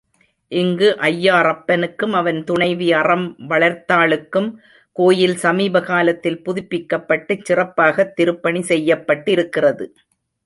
இங்கு ஐயாறப்பனுக்கும் அவன் துணைவி அறம்வளர்த்தாளுக்கும் கோயில் சமீப காலத்தில் புதுப்பிக்கப்பட்டுச் சிறப்பாகத் திருப்பணி செய்யப்பட்டிருக்கிறது.